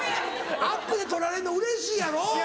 アップで撮られるのうれしいやろ？